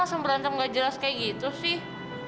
langsung berantem gak jelas kayak gitu sih